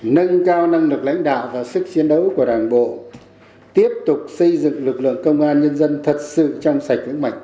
nâng cao năng lực lãnh đạo và sức chiến đấu của đảng bộ tiếp tục xây dựng lực lượng công an nhân dân thật sự trong sạch vững mạnh